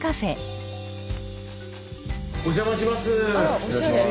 お邪魔します！